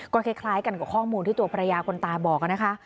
ก็คล้ายกันกับข้อมูลที่ตัวภรรยาคนตายบอกนะคะ